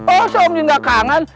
oh seom din gak kangen